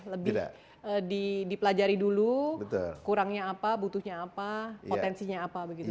lebih dipelajari dulu kurangnya apa butuhnya apa potensinya apa begitu